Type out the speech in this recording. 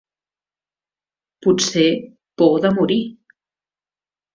Potser por de morir.